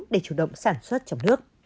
để chủ động sản xuất trong nước